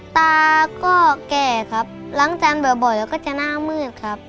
ตาก็แก่ครับล้างจานบ่อยแล้วก็จะหน้ามืดครับ